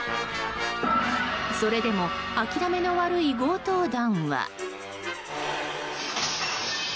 それでも諦めの悪い強盗団は。